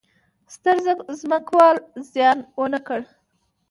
ستر ځمکوال زیان ونه کړي.